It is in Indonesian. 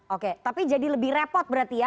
oke tapi jadi lebih repot berarti ya